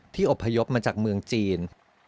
อบพยพมาจากเมืองจีน